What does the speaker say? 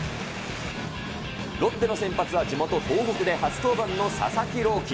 ロッテの先発は地元、東北で初登板の佐々木朗希。